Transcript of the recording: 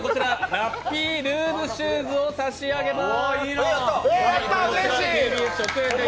ラッピールームシューズを差し上げます。